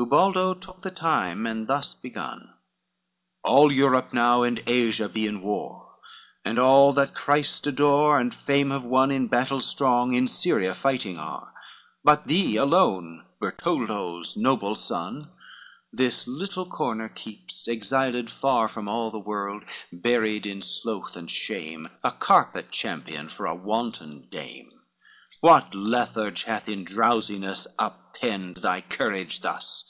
XXXII Ubaldo took the time, and thus begun, "All Europe now and Asia be in war, And all that Christ adore and fame have won, In battle strong, in Syria fighting are; But thee alone, Bertoldo's noble son, This little corner keeps, exiled far From all the world, buried in sloth and shame, A carpet champion for a wanton dame. XXXIII "What letharge hath in drowsiness up penned Thy courage thus?